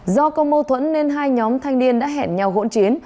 do có mâu thuẫn nên hai nhóm thanh niên đã hẹn nhau hỗn chiến